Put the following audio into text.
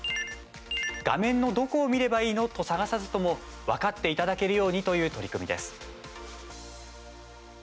画面のどこを見ればいいの？と探さずとも分かっていただけるようにという取り組みです。